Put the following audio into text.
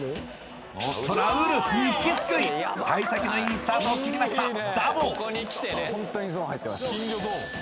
おっとラウール２匹すくい幸先のいいスタートを切りましたダブル！